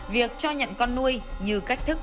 việc cho nhận con nuôi như cách thức